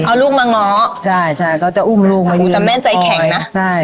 เอาลูกมาง้อใช่ใช่เขาจะอุ้มลูกมายืนแต่ผมจะแม่นใจแข็งนะใช่